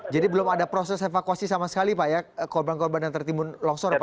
jadi belum ada proses evakuasi sama sekali pak ya korban korban yang tertimbun longcor pak